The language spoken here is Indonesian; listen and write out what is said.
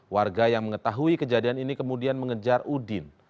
warga yang mengetahui kejadian ini kemudian mengejar udin